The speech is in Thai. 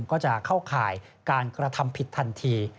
ก็จะเข้าข่ายการกระทำผิดทันที